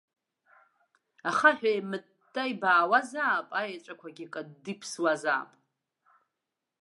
Ахаҳә еимытта ибаауазаап, аеҵәақәагьы кадды иԥсуазаап.